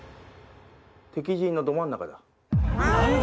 敵陣のど真ん中だ。